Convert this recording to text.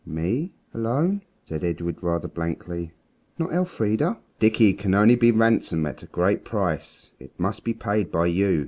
"Me? Alone?" said Edred rather blankly. "Not Elfrida?" "Dickie can only be ransomed at a great price, and it must be paid by you.